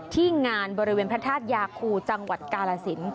ที่งานบริเวณพระธาตุยาคูจังหวัดกาลสิน